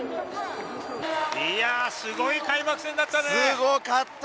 すごい開幕戦だったね。